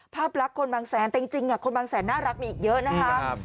ภาพลักษณ์คนบางแสนแต่จริงคนบางแสนน่ารักมีอีกเยอะนะคะ